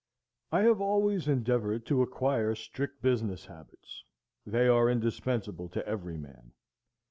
I have always endeavored to acquire strict business habits; they are indispensable to every man.